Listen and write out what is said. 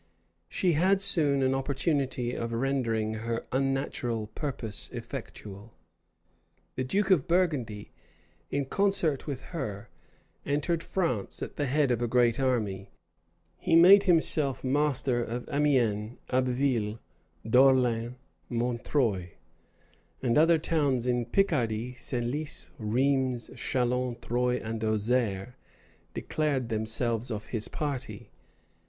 She had soon an opportunity of rendering her unnatural purpose effectual. The duke of Burgundy, in concert with her, entered France at the head of a great army: he made himself master of Amiens, Abbeville, Dourlens, Montreuil, and other towns in Picardy; Senlis, Rheims, Chalons, Troye, and Auxerre, declared themselves of his party.